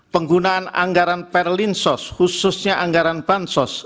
penggunaan anggaran perlinsos khususnya anggaran bansos